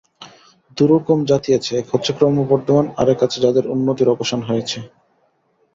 দু-রকম জাতি আছে এক হচ্ছে ক্রমবর্ধমান, আর এক আছে যাদের উন্নতির অবসান হয়েছে।